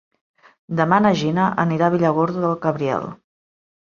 Demà na Gina anirà a Villargordo del Cabriel.